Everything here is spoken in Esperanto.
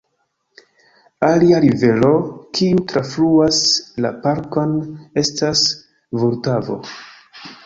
Alia rivero, kiu trafluas la parkon, estas Vultavo.